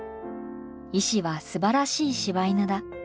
石はすばらしい柴犬だ。